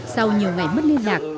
sau nhiều ngày mất liên lạc